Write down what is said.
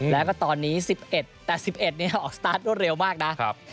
แล้วก็ตอนนี้๑๑ปีแต่๑๑ปีออกแรงงานรวดเร็วมากนะครับ